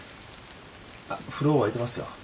あっ風呂沸いてますよ。